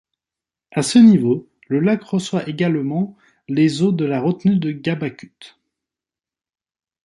À ce niveau, le lac reçoit également les eaux de la retenue de Gabacut.